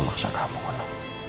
papa tidak akan memaksa kamu ono